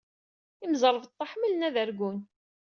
Imẓerbeḍḍa ḥemmlen ad argun.